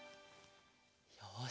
よし！